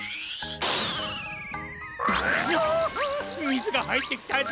みずがはいってきたぞ！